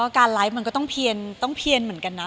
การไลฟ์มันก็ต้องเพียงเหมือนกันนะ